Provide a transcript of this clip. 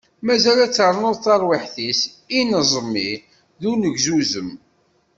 Mazal ad ternu terwiḥt-is ineẓmi d unegzuzem.